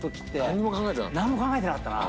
何にも考えてなかったね。